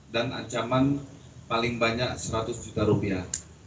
dan ancaman paling banyak seratus juta rupiah